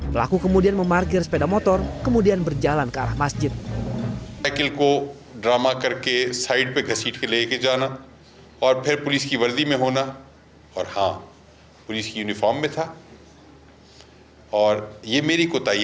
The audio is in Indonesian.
pelaku bom bunuh diri mengenakan seragam polisi dan memakai helm ketika menembus pengamanan ketat di kompleks polisian yang menjadi lokasi masjid itu